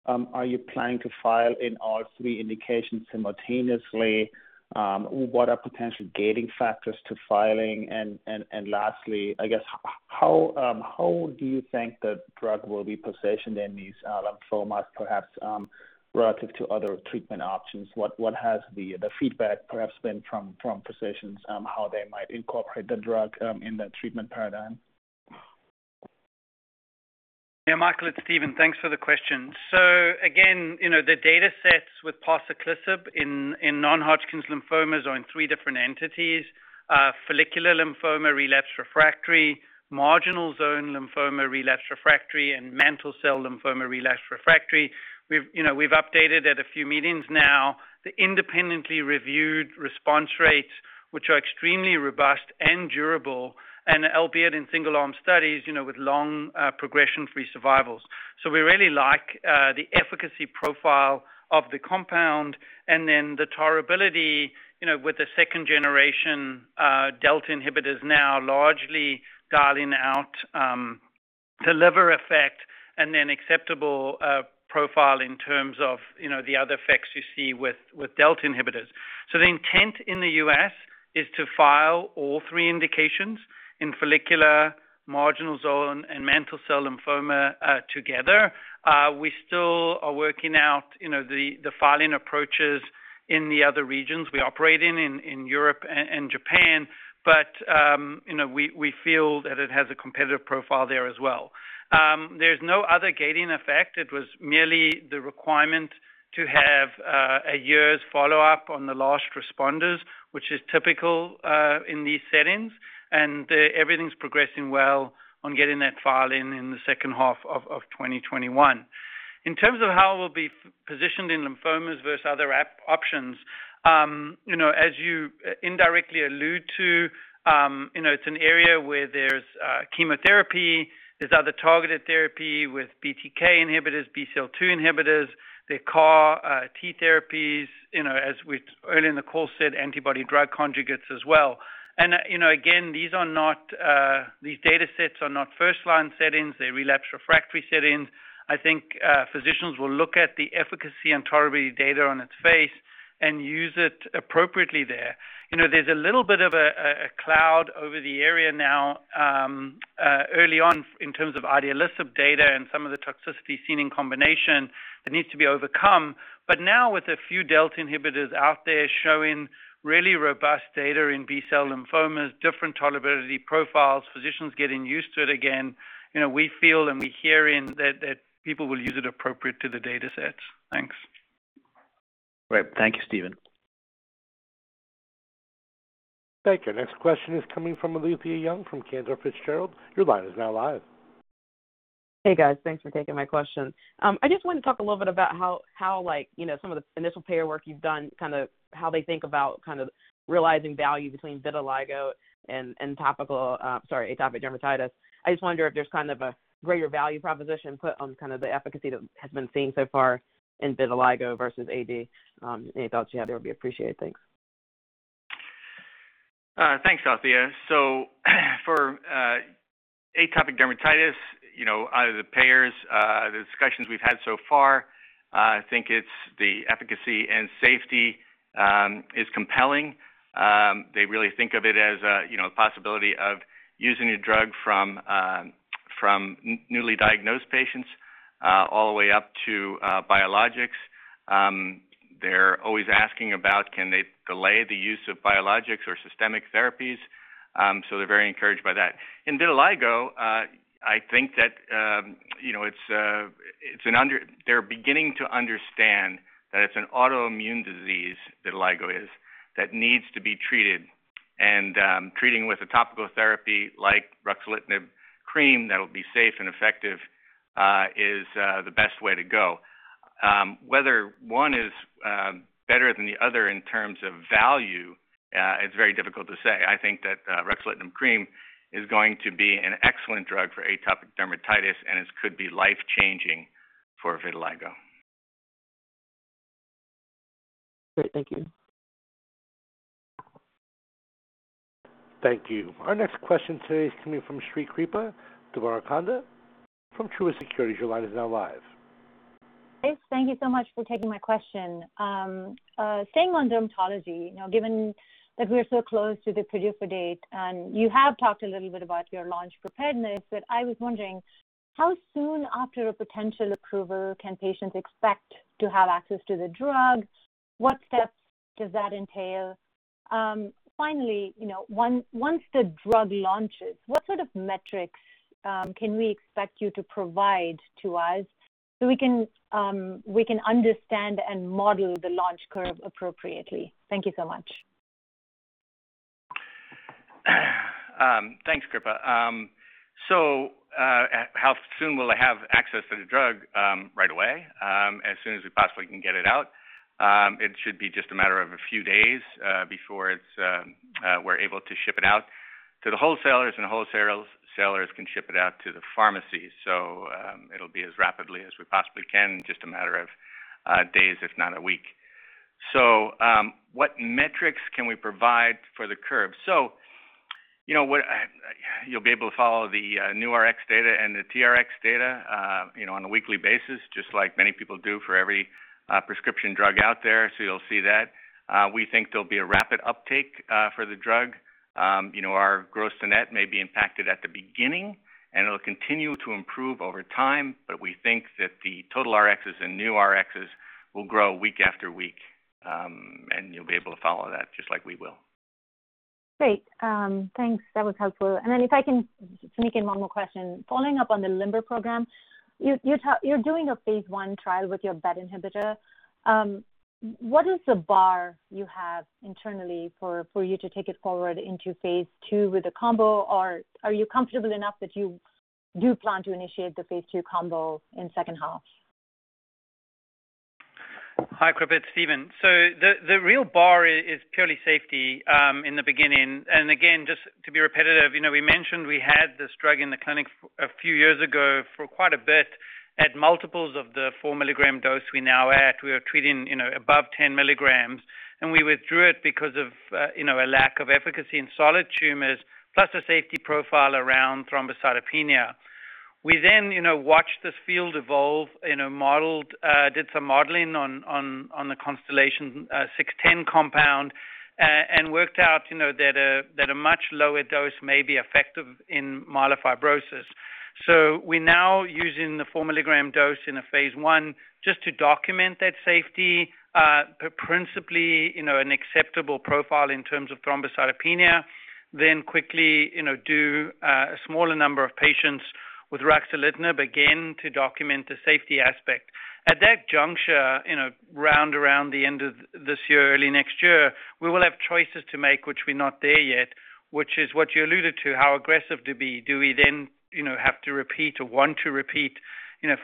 are you planning to file in all three indications simultaneously? What are potential gating factors to filing? Lastly, I guess, how do you think the drug will be positioned in these lymphomas, perhaps relative to other treatment options? What has the feedback perhaps been from physicians on how they might incorporate the drug in that treatment paradigm? Yeah, Michael, it's Steven. Thanks for the question. Again, the data sets with parsaclisib in non-Hodgkin lymphomas are in three different entities. Follicular lymphoma, relapse refractory, marginal zone lymphoma, relapse refractory, and mantle cell lymphoma, relapse refractory. We've updated at a few meetings now the independently reviewed response rates, which are extremely robust and durable, and albeit in single-arm studies, with long progression-free survivals. We really like the efficacy profile of the compound and then the tolerability, with the second-generation delta inhibitors now largely dialing out the liver effect and an acceptable profile in terms of the other effects you see with delta inhibitors. The intent in the U.S. is to file all three indications in follicular, marginal zone, and mantle cell lymphoma together. We are still working out the filing approaches in the other regions we operate in Europe and Japan, but we feel that it has a competitive profile there as well. There's no other gating effect. It was merely the requirement to have a year's follow-up on the last responders, which is typical in these settings, and everything's progressing well on getting that filing in the second half of 2021. In terms of how it will be positioned in lymphomas versus other options, as you indirectly allude to, it's an area where there's chemotherapy, there's other targeted therapy with BTK inhibitors, BCL2 inhibitors, there are CAR T therapies, as we early in the call said, antibody drug conjugates as well. Again, these data sets are not first-line settings. They're relapse-refractory settings. I think physicians will look at the efficacy and tolerability data on its face and use it appropriately there. There's a little bit of a cloud over the area now, early on in terms of idelalisib data and some of the toxicity seen in combination that needs to be overcome. Now with a few delta inhibitors out there showing really robust data in B-cell lymphomas, different tolerability profiles, physicians getting used to it again, we feel and we hearing that people will use it appropriately to the data sets. Thanks. Great. Thank you, Steven. Thank you. Next question is coming from Alethia Young from Cantor Fitzgerald. Your line is now live. Hey, guys. Thanks for taking my question. I just wanted to talk a little bit about how some of the initial payer work you've done, how they think about realizing value between vitiligo and atopic dermatitis. I just wonder if there's a greater value proposition put on the efficacy that has been seen so far in vitiligo versus AD. Any thoughts you have there would be appreciated. Thanks. Thanks, Alethia. For atopic dermatitis, out of the payers, the discussions we've had so far, I think it's the efficacy and safety is compelling. They really think of it as a possibility of using a drug from newly diagnosed patients, all the way up to biologics. They're always asking about can they delay the use of biologics or systemic therapies. They're very encouraged by that. In vitiligo, I think that they're beginning to understand that it's an autoimmune disease, vitiligo is, that needs to be treated. Treating with a topical therapy like ruxolitinib cream that'll be safe and effective is the best way to go. Whether one is better than the other in terms of value it's very difficult to say. I think that ruxolitinib cream is going to be an excellent drug for atopic dermatitis, and it could be life-changing for vitiligo. Great. Thank you. Thank you. Our next question today is coming from Srikripa Devarakonda from Truist Securities. Your line is now live. Thanks. Thank you so much for taking my question. Staying on dermatology, now given that we're so close to the PDUFA date, and you have talked a little bit about your launch preparedness, but I was wondering how soon after a potential approval, patients can expect to have access to the drug? What steps does that entail? Finally, once the drug launches, what sort of metrics can we expect you to provide to us so we can understand and model the launch curve appropriately? Thank you so much. Thanks, Kripa. How soon will they have access to the drug? Right away, as soon as we possibly can get it out. It should be just a matter of a few days before we're able to ship it out to the wholesalers, and the wholesalers can ship it out to the pharmacies. It'll be as rapidly as we possibly can, just a matter of days, if not a week. What metrics can we provide for the curve? You'll be able to follow the new Rx data and the TRx data on a weekly basis, just like many people do for every prescription drug out there. You'll see that. We think there'll be a rapid uptake for the drug. Our gross to net may be impacted at the beginning, and it'll continue to improve over time, but we think that the total Rx's and new Rx's will grow week after week. You'll be able to follow that just like we will. Great. Thanks. That was helpful. If I can sneak in one more question. Following up on the LIMBER program, you're doing a phase I trial with your BET inhibitor. What is the bar you have internally for you to take it forward into phase II with the combo? Are you comfortable enough that you do plan to initiate the phase II combo in the second half? Hi, Kripa. It's Steven. The real bar is purely safety in the beginning. Again, just to be repetitive, we mentioned we had this drug in the clinic a few years ago for quite a bit, at multiples of the 4-mg dose we now at. We were treating above 10 mg, and we withdrew it because of a lack of efficacy in solid tumors, plus a safety profile around thrombocytopenia. We then watched this field evolve, did some modeling on the Constellation 610 compound, and worked out that a much lower dose may be effective in myelofibrosis. We're now using the 4-mg dose in a phase I just to document that safety, principally an acceptable profile in terms of thrombocytopenia. Quickly do a smaller number of patients with ruxolitinib, again, to document the safety aspect. At that juncture, around the end of this year or early next year, we will have choices to make, which we're not there yet, which is what you alluded to, how aggressive to be. Do we then have to repeat or want to repeat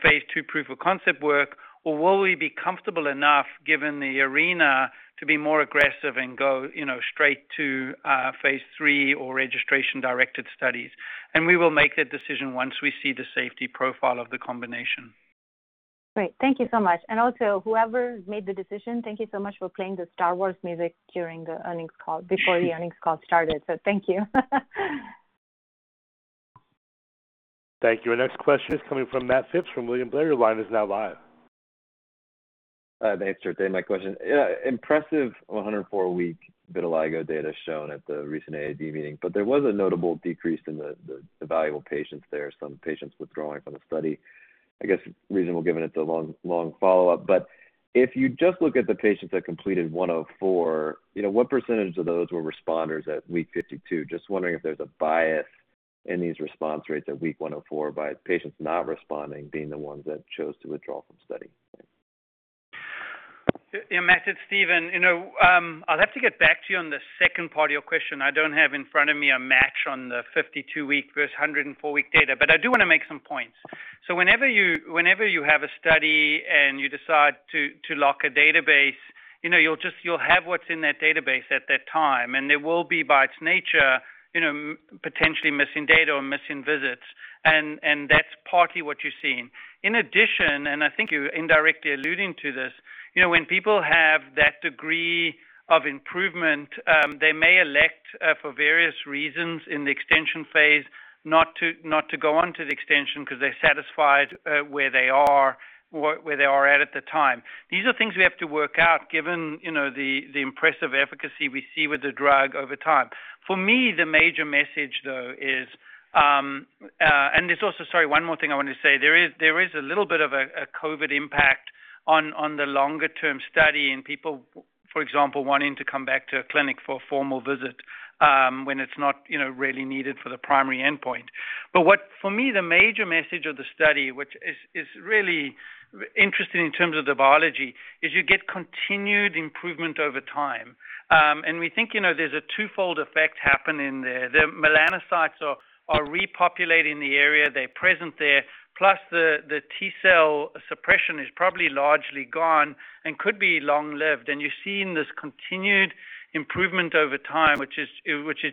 phase II proof of concept work, or will we be comfortable enough, given the arena, to be more aggressive and go straight to phase III or registration-directed studies? We will make that decision once we see the safety profile of the combination. Great. Thank you so much. Also, whoever made the decision, thank you so much for playing the "Star Wars" music before the earnings call started, so thank you. Thank you. Our next question is coming from Matt Phipps from William Blair. Your line is now live. Thanks for taking my question. Yeah, impressive 104-week vitiligo data shown at the recent AAD meeting, but there was a notable decrease in the evaluable patients there, some patients withdrawing from the study. I guess reasonable given it's a long follow-up. If you just look at the patients that completed 104 weeks, what percentage of those were responders at week 52? Just wondering if there's a bias in these response rates at week 104 by patients not responding being the ones that chose to withdraw from the study. Yeah, Matt, it's Steven. I'll have to get back to you on the second part of your question. I don't have in front of me a match on the 52-week versus 104-week data, but I do want to make some points. Whenever you have a study, and you decide to lock a database, you'll have what's in that database at that time, and there will be, by its nature, potentially missing data or missing visits. That's partly what you're seeing. In addition, and I think you're indirectly alluding to this, when people have that degree of improvement, they may elect, for various reasons, in the extension phase, not to go on to the extension because they're satisfied where they are at the time. These are things we have to work out, given the impressive efficacy we see with the drug over time. There's also, sorry, one more thing I want to say. There is a little bit of a COVID impact on the longer-term study in people, for example, wanting to come back to a clinic for a formal visit when it's not really needed for the primary endpoint. What, for me, the major message of the study, which is really interesting in terms of the biology, is you get continued improvement over time. We think there's a twofold effect happening there. The melanocytes are repopulating the area; they're present there. Plus, the T-cell suppression is probably largely gone and could be long-lived. You're seeing this continued improvement over time, which is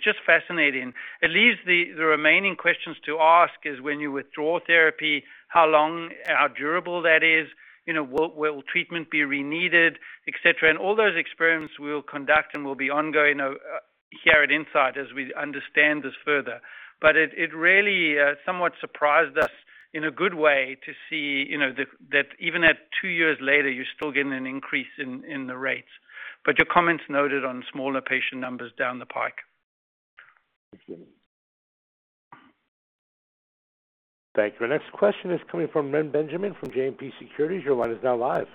just fascinating. It leaves the remaining questions to ask is when you withdraw therapy, how long, how durable that is, will treatment be re-needed, et cetera. All those experiments we'll conduct and will be ongoing here at Incyte as we understand this further. It really somewhat surprised us in a good way to see that even at two years later, you're still getting an increase in the rates. Your comment's noted on smaller patient numbers down the pike. Thank you. Our next question is coming from Reni Benjamin from JMP Securities. Your line is now live.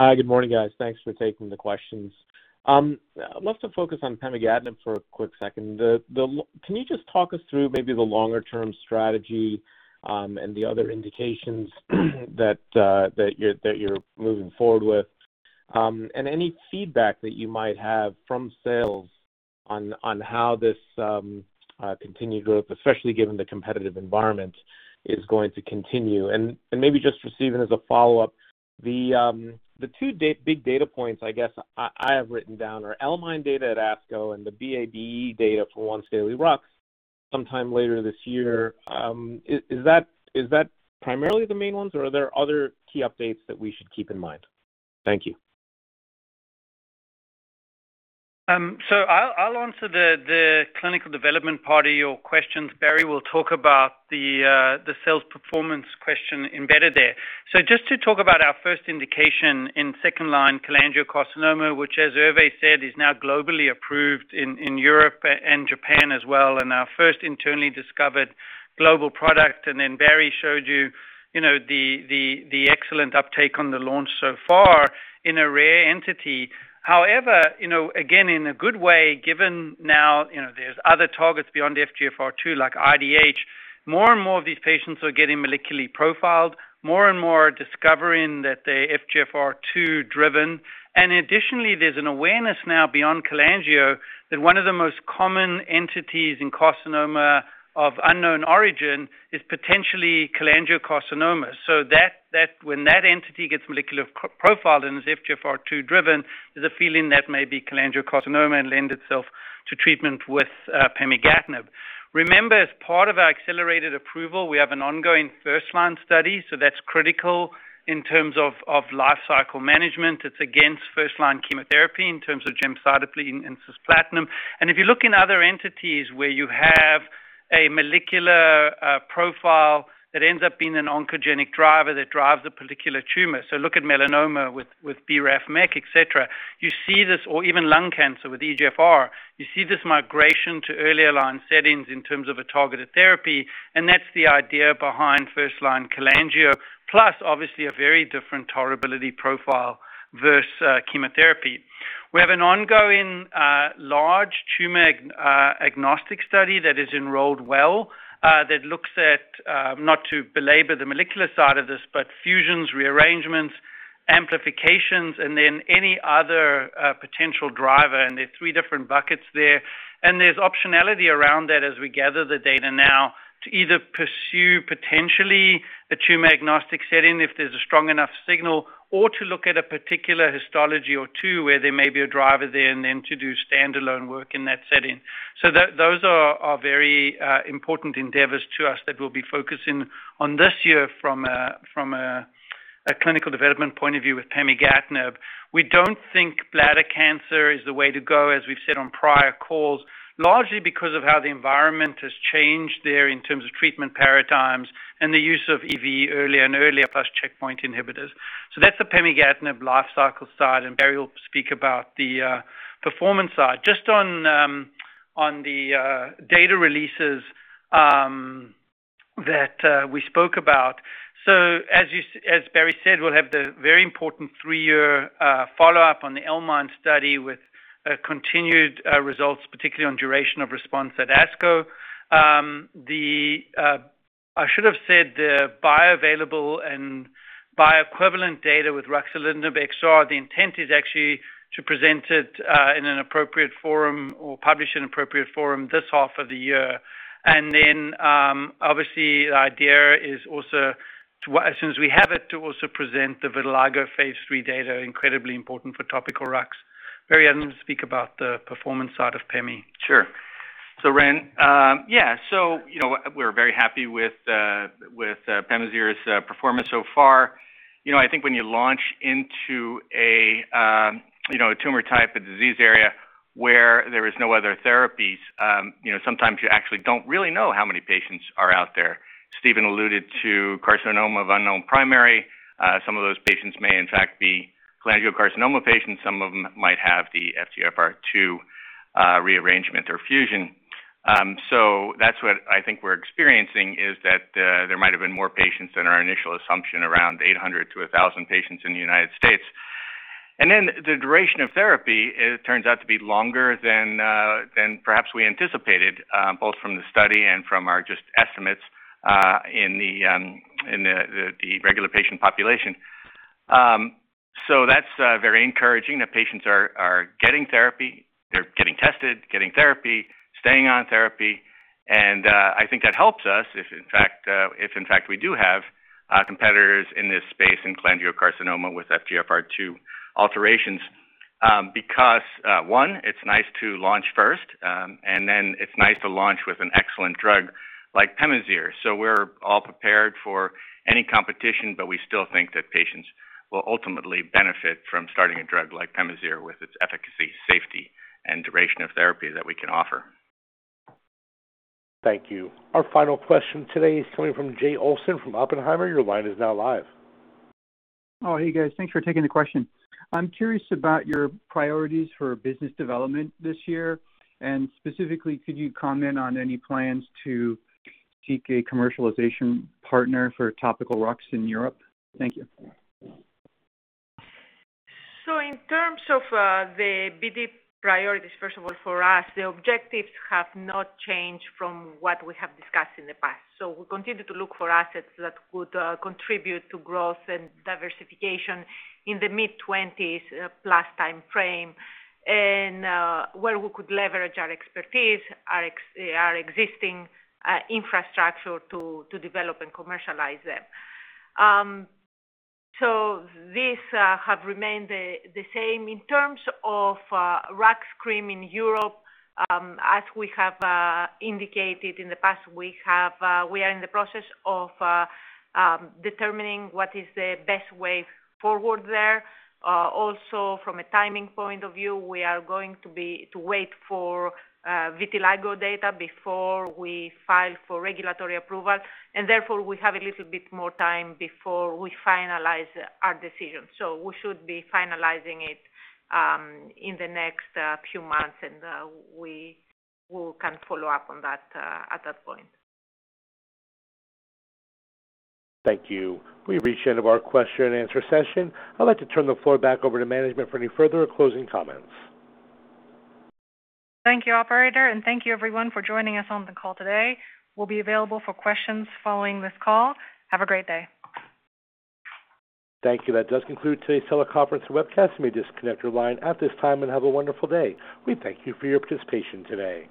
Hi, good morning, guys. Thanks for taking the questions. I'd love to focus on pemigatinib for a quick second. Can you just talk us through maybe the longer-term strategy and the other indications that you're moving forward with? Any feedback that you might have from sales on how this continued growth, especially given the competitive environment, is going to continue. Maybe just for Steven as a follow-up, the two big data points I guess I have written down are L-MIND data at ASCO and the BA/BE data for once daily RUX sometime later this year. Is that primarily the main ones, or are there other key updates that we should keep in mind? Thank you. I'll answer the clinical development part of your questions. Barry will talk about the sales performance question embedded there. Just to talk about our first indication in second-line cholangiocarcinoma, which, as Hervé said, is now globally approved in Europe and Japan as well, and our first internally discovered global product. Barry showed you the excellent uptake on the launch so far in a rare entity. However, again, in a good way, given now there's other targets beyond FGFR2, like IDH, more and more of these patients are getting molecularly profiled, more and more discovering that they're FGFR2-driven. Additionally, there's an awareness now beyond cholangio that one of the most common entities in carcinoma of unknown origin is potentially cholangiocarcinoma. When that entity gets molecularly profiled and is FGFR2-driven, there's a feeling that may be cholangiocarcinoma and lend itself to treatment with pemigatinib. Remember, as part of our accelerated approval, we have an ongoing first-line study, so that's critical in terms of life cycle management. It's against first-line chemotherapy in terms of gemcitabine and cisplatin. If you look in other entities where you have a molecular profile that ends up being an oncogenic driver that drives a particular tumor, so look at melanoma with BRAF/MEK, et cetera, you see this migration to earlier line settings in terms of a targeted therapy, and that's the idea behind first-line cholangio, plus obviously a very different tolerability profile versus chemotherapy. We have an ongoing large tumor-agnostic study that has enrolled well that looks at, not to belabor the molecular side of this, but fusions, rearrangements, amplifications, and then any other potential driver, and there are three different buckets there. There's optionality around that as we gather the data now to either pursue potentially a tumor-agnostic setting if there's a strong enough signal or to look at a particular histology or two where there may be a driver there, and then to do standalone work in that setting. Those are very important endeavors to us that we'll be focusing on this year from a clinical development point of view with pemigatinib. We don't think bladder cancer is the way to go, as we've said on prior calls, largely because of how the environment has changed there in terms of treatment paradigms and the use of EV earlier and earlier, plus checkpoint inhibitors. That's the pemigatinib life cycle side, and Barry will speak about the performance side. Just on the data releases that we spoke about. As Barry said, we'll have the very important three-year follow-up on the L-MIND study with continued results, particularly on duration of response at ASCO. I should have said the bioavailable and bioequivalent data with ruxolitinib XR; the intent is actually to present it in an appropriate forum or publish in an appropriate forum this half of the year. The idea is also, as soon as we have it, to also present the vitiligo phase III data, incredibly important for topical RUX. Barry, I'll let you speak about the performance side of Pemi. Sure, Ren. We're very happy with PEMAZYRE's performance so far. I think when you launch into a tumor type, a disease area where there is no other therapies, sometimes you actually don't really know how many patients are out there. Steven alluded to carcinoma of unknown primary. Some of those patients may, in fact, be cholangiocarcinoma patients. Some of them might have the FGFR2 rearrangement or fusion. That's what I think we're experiencing, is that there might have been more patients than our initial assumption, around 800-1,000 patients in the U.S. The duration of therapy, it turns out to be longer than perhaps we anticipated, both from the study and from our just estimates in the regular patient population. That's very encouraging, that patients are getting tested, getting therapy, staying on therapy, and I think that helps us if, in fact, we do have competitors in this space in cholangiocarcinoma with FGFR2 alterations. One, it's nice to launch first, and then it's nice to launch with an excellent drug like PEMAZYRE. We're all prepared for any competition, but we still think that patients will ultimately benefit from starting a drug like PEMAZYRE with its efficacy, safety, and duration of therapy that we can offer. Thank you. Our final question today is coming from Jay Olson from Oppenheimer. Your line is now live. Oh, hey guys. Thanks for taking the question. I'm curious about your priorities for business development this year, and specifically, could you comment on any plans to seek a commercialization partner for topical RUX in Europe? Thank you. In terms of the BD priorities, first of all, for us, the objectives have not changed from what we have discussed in the past. We continue to look for assets that could contribute to growth and diversification in the mid-20s+ timeframe, and where we could leverage our expertise, our existing infrastructure to develop and commercialize them. These have remained the same. In terms of RUX cream in Europe, as we have indicated in the past, we are in the process of determining what is the best way forward there. Also, from a timing point of view, we are going to wait for vitiligo data before we file for regulatory approval, and therefore, we have a little bit more time before we finalize our decision. We should be finalizing it in the next few months, and we can follow up on that at that point. Thank you. We've reached the end of our question-and-answer session. I'd like to turn the floor back over to management for any further closing comments. Thank you, operator, and thank you, everyone, for joining us on the call today. We'll be available for questions following this call. Have a great day. Thank you. That does conclude today's teleconference and webcast. You may disconnect your line at this time, and have a wonderful day. We thank you for your participation today.